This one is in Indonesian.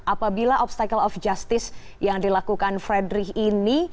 apabila obstacle of justice yang dilakukan fredrich ini